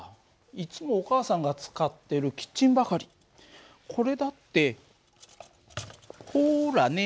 いつもお母さんが使ってるキッチンばかりこれだってほらね。